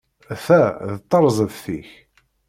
Ta d tarzeft-ik.